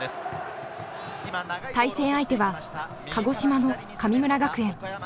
対戦相手は鹿児島の神村学園。